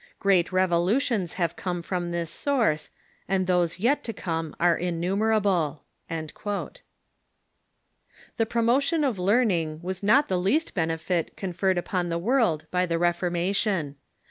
Great revolutions have come from this source, and those yet to come are innumerable.'^ The promotion of learning was not the least benefit con ferred upon the world by the Reformation.